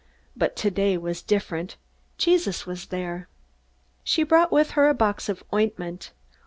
But today was different. Jesus was there. She brought with her a box of ointment.